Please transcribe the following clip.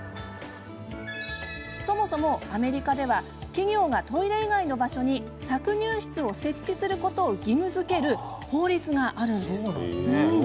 そもそも、アメリカでは企業がトイレ以外の場所に搾乳室を設置することを義務づける法律があるんです。